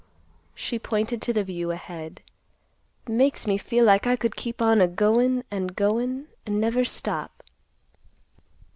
She pointed to the view ahead. "Makes me feel like I could keep on a goin', and goin', and never stop."